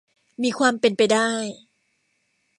มีความเป็นไปได้